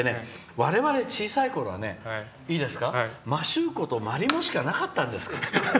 我々、小さいころはねいいですか、摩周湖とまりもしかなかったんです。